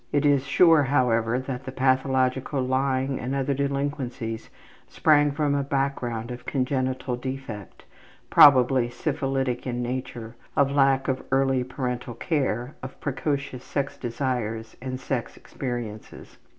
It is sure, however, that the pathological lying and other delinquencies sprang from a background of congenital defect, probably syphilitic in nature, of lack of early parental care, of precocious sex desires, and sex experiences.